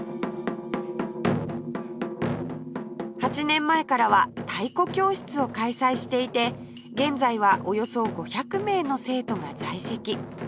８年前からは太鼓教室を開催していて現在はおよそ５００名の生徒が在籍